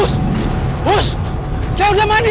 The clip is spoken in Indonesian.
saya sudah mandi